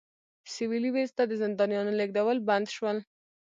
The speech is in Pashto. سوېلي ویلز ته د زندانیانو لېږدول بند شول.